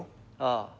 ああ。